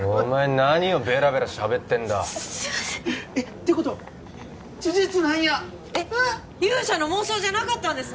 何をベラベラしゃべってんだすいませんてことは事実なんやえっ勇者の妄想じゃなかったんですね